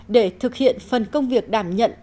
để thực hiện phần công việc đảm nhận